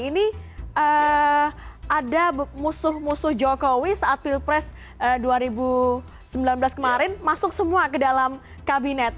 ini ada musuh musuh jokowi saat pilpres dua ribu sembilan belas kemarin masuk semua ke dalam kabinet